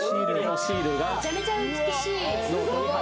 めちゃめちゃ美しいすごい！